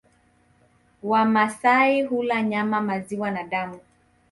ya Wamasai hula nyama maziwa na damu